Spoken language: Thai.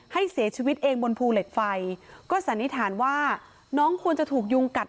ให้เสียชีวิตเองบนภูเหล็กไฟก็สันนิษฐานว่าน้องควรจะถูกยุงกัด